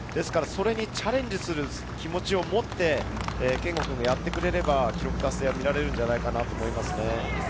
それにチャレンジする気持ちを持って、健吾君がやってくれれば記録達成は見られるんじゃないかと思いますね。